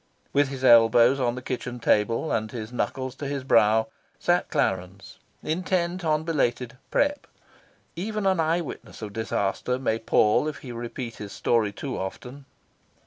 With his elbows on the kitchen table, and his knuckles to his brow, sat Clarence, intent on belated "prep." Even an eye witness of disaster may pall if he repeat his story too often.